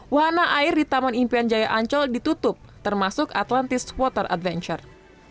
wahana air di taman impian jaya ancol ditutup termasuk atlantis water adventure